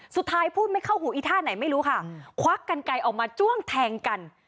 พูดไม่เข้าหูอีท่าไหนไม่รู้ค่ะควักกันไกลออกมาจ้วงแทงกัน